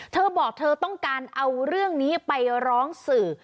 เธอบอกเธอต้องการเอาเรื่องนี้ไปร้องสื่อ